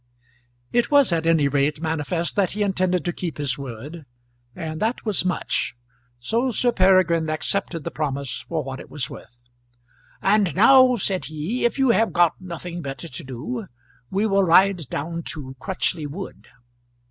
It was at any rate manifest that he intended to keep his word, and that was much; so Sir Peregrine accepted the promise for what it was worth. "And now," said he, "if you have got nothing better to do, we will ride down to Crutchley Wood."